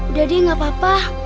udah deh gak apa apa